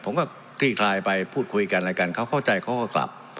คลี่คลายไปพูดคุยกันอะไรกันเขาเข้าใจเขาก็กลับ